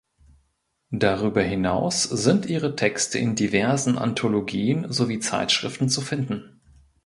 Darüber hinaus sind ihre Texte in diversen Anthologien sowie Zeitschriften zu finden.